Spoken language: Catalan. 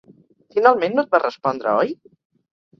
Finalment no et va respondre, oi?